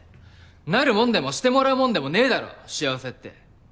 なるもんでもしてもらうもんでもねぇだろ幸せって。